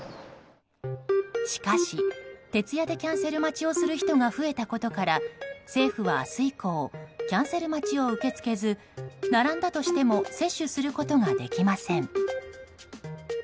しかし徹夜でキャンセル待ちをする人が増えたことから政府は明日以降キャンセル待ちを受け付けず並んだとしても接種することはできません。